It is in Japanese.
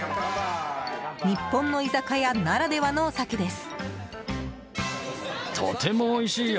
日本の居酒屋ならではのお酒です。